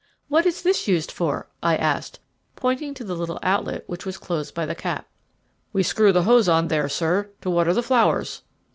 "What is this used for?" I asked, pointing to the little outlet which was closed by the cap. "We screw the hose on there, sir, to water the flowers."